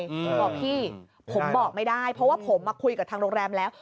ผมบอกพี่ผมบอกไม่ได้เพราะว่าผมมาคุยกับทางโรงแรมแล้ว